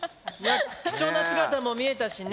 貴重な姿も見れたしね。